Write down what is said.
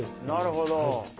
なるほど。